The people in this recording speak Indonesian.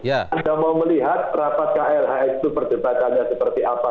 anda mau melihat rapat klhs itu perdebatannya seperti apa